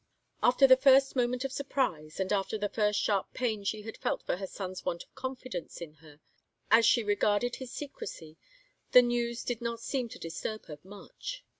After the first moment of surprise and after the first sharp pain she had felt for her son's want of confidence in her, as she regarded his secrecy, the news did not seem to disturb her much.